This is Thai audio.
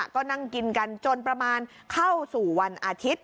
ก็นั่งกินกันจนประมาณเข้าสู่วันอาทิตย์